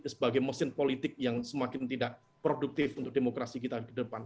sebagai mesin politik yang semakin tidak produktif untuk demokrasi kita ke depan